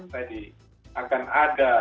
tadi akan ada